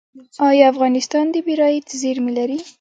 آیا افغانستان د بیرایت زیرمې لري؟